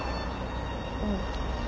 うん。